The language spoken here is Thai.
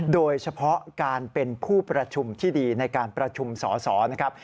โดยเฉพาะการเป็นผู้ประชุมที่ดีในการประชุมสอสอนะครับ